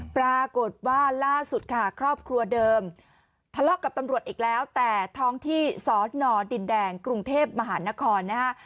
ปรากฏว่าล่าสุดค่ะครอบครัวเดิมทะเลาะกับตำรวจอีกแล้วแต่ท้องที่สอนอดินแดงกรุงเทพมหานครนะฮะ